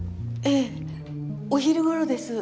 ええお昼頃です。